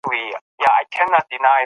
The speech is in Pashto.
دا علم له فلسفې څخه لیرې سو.